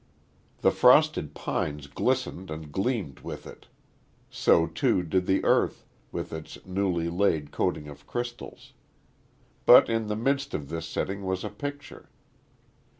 The frosted pines glistened and gleamed with it, so too did the earth, with its newly laid coating of crystals. But in the midst of this setting was a picture.